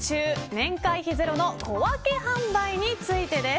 年会費ゼロの小分け販売についてです。